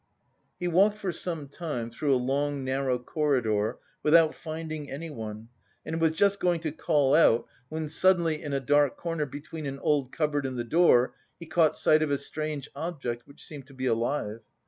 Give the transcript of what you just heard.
He walked for some time through a long narrow corridor without finding anyone and was just going to call out, when suddenly in a dark corner between an old cupboard and the door he caught sight of a strange object which seemed to be alive.